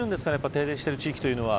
停電している地域というのは。